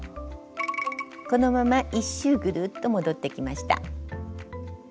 このまま１周ぐるっと戻ってきました。